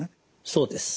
そうです。